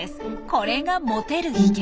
これがモテる秘訣！